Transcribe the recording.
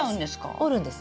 折るんです。